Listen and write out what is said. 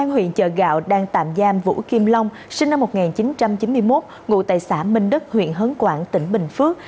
huyện chợ gạo đang tạm giam vũ kim long sinh năm một nghìn chín trăm chín mươi một ngụ tại xã minh đất huyện hấn quảng tỉnh bình phước